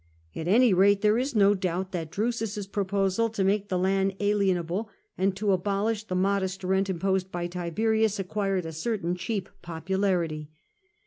At any rate, there is no doubt that Drusus's proposal to make the land alienable, and to abolish the modest rent imposed by Tiberius, acquired a certain cheap popularity.